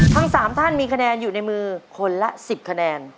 ทั้ง๓ท่านมีคะแนนอยู่ในมือคนละ๑๐คะแนน